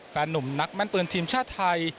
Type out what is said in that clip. หนุ่มนักแม่นปืนทีมชาติไทย